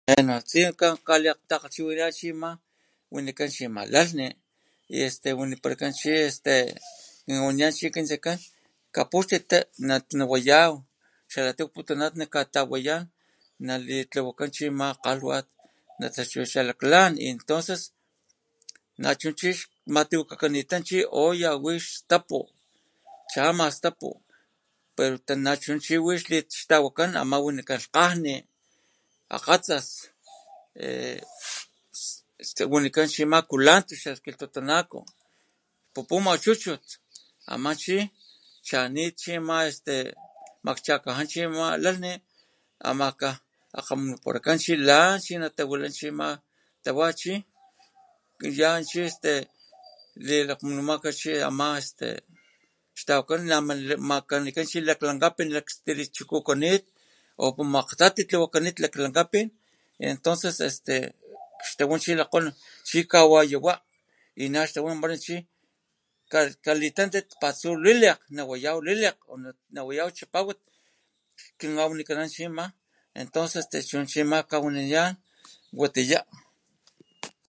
Bueno chi kaman kalitakgalhchiwinanan chima wanikan chima lalhjni y este wanipalakan chi este kin kawaniyan chi kin tse'kan kapuxtit natlawayaw xa tu waputunatit najkatawayan nalitlawakan chi ama kgalhwat nataxtu xa lak lan y entonces nachu chi xmatiwakakanita chi olla wi stapu chama stapu pero te nachuna chi wi xtawan wanikan lhkgajni, akgatsas e este wanikan chima kulanto xa kilhtotonaco pupuma chutchut ama chi chanit chi ama este makchakaja chi ama lalhjni amaka munipalakan chi lan chi natawila chima tawa chi y ya chi estelilakgmumaka chi este xtawakan chi makanikan lankapin tsilij lakchunit o kilhmaktati tlawakanit laklankapin entonces este xtawan chi lajkgolon chi kawayawa y naxtawapala chi kalitantit patsu lilekg nawayay lilekg nawaya cha'pawat kinkamawikanan chima entonces chuna chima jkawaniyan watiya.